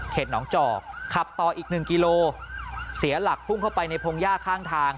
หนองจอกขับต่ออีกหนึ่งกิโลเสียหลักพุ่งเข้าไปในพงหญ้าข้างทาง